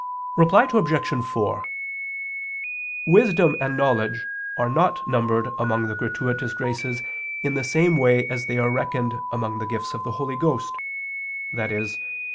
Reply Obj. 4: Wisdom and knowledge are not numbered among the gratuitous graces in the same way as they are reckoned among the gifts of the Holy Ghost, i.e.